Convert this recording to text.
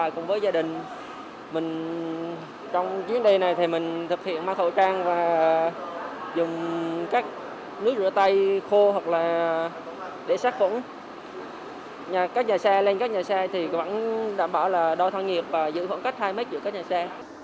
các nhà xe lên các nhà xe thì vẫn đảm bảo là đôi thang nghiệp và giữ khoảng cách hai m giữa các nhà xe